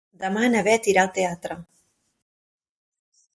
Demà na Beth irà al teatre.